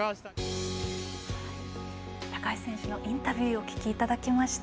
高橋選手のインタビューお聞きいただきました。